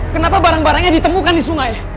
kenapa barang barangnya ditemukan di sungai